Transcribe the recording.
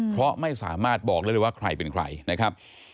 เพราะไม่สามารถบอกได้เลยว่าใครเป็นใครนะครับ